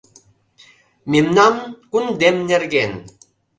Мемнан кундем нерген!